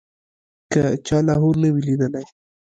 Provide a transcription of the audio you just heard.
که چا لاهور نه وي لیدلی.